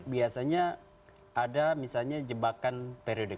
biasanya ada misalnya jebakan periode